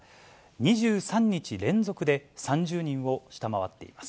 ２３日連続で３０人を下回っています。